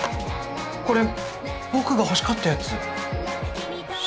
これ僕が欲しかったやつ。